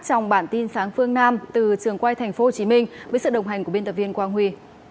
trong bản tin sáng phương nam từ trường quay tp hcm với sự đồng hành của biên tập viên quang huy